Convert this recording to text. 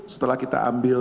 setelah kita ambil